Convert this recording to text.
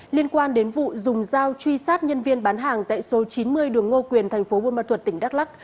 liên quan đến vụ dùng dao truy sát nhân viên bán hàng tại số chín mươi đường ngô quyền thành phố buôn ma thuật tỉnh đắk lắc